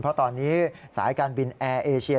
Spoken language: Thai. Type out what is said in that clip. เพราะตอนนี้สายการบินแอร์เอเชีย